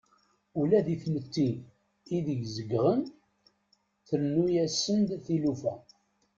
Ula d timetti ideg zegɣen trennu-asen-d tilufa.